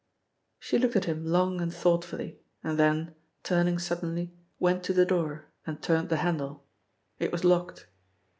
She looked at him long and thoughtfully, and then, turning suddenly, went to the door, and turned the handle. It was locked.